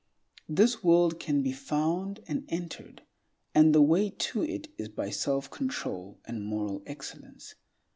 This world can be found and entered, and the way to it is by self control and moral excellence.